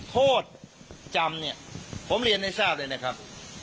โทษจำเนี่ยผมเรียนให้ทราบเลยนะครับ